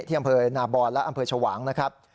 อำเภอนาบอนและอำเภอชวางนะครับ